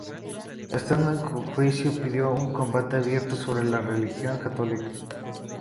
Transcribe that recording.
Estando en juicio pidió un debate abierto sobre la religión católica.